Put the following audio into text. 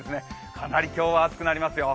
かなり今日は暑くなりますよ。